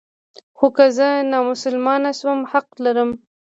خو که زه نامسلمان شم حق لرم.